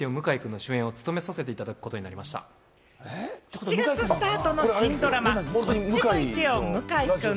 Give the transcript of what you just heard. ７月スタートの新ドラマ『こっち向いてよ向井くん』。